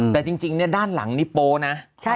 แต่จริงด้านหลังนี่โป๊นะ